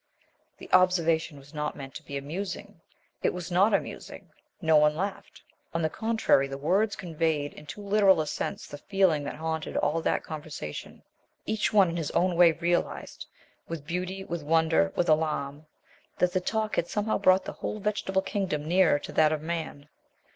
The observation was not meant to be amusing. It was not amusing. No one laughed. On the contrary, the words conveyed in too literal a sense the feeling that haunted all that conversation. Each one in his own way realized with beauty, with wonder, with alarm that the talk had somehow brought the whole vegetable kingdom nearer to that of man.